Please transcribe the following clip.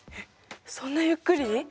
そんなゆっくり？